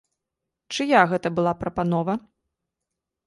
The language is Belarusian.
Чыя гэта была прапанова?